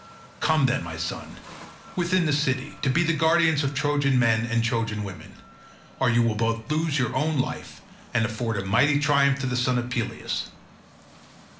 Come, then, my son, within the city, to be the guardian of Trojan men and Trojan women, or you will both lose your own life and afford a mighty triumph to the son of Peleus.